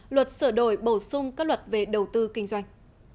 luật sửa đổi bổ sung các luật về đầu tư kinh doanh